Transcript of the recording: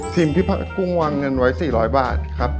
ที่พระกุ้งวางเงินไว้๔๐๐บาทครับ